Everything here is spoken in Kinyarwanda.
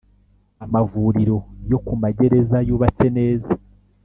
amavuriro yo ku magereza yubatse neza.